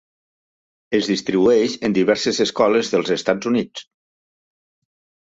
Es distribueix en diverses escoles dels Estats Units.